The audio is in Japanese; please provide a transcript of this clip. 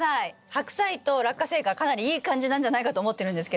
ハクサイとラッカセイがかなりいい感じなんじゃないかと思ってるんですけど。